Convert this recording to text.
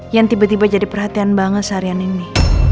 yang tiba tiba jadi perhatian banget seharian ini